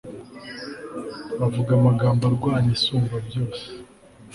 bavuga amagambo arwanya Isumbabyose